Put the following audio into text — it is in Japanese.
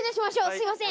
すいません。